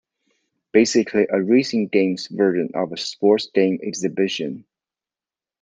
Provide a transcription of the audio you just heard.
Basically a racing game's version of a sport's game 'exhibition.